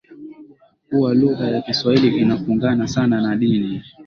kuwa lugha ya Kiswahili inafungamana sana na dini